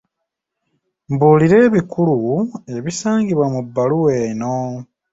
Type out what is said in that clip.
Mbuulira ebikulu ebisangibwa mu bbaluwa eno.